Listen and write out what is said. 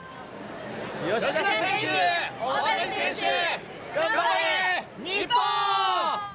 吉田選手、大谷選手、頑張れ、日本！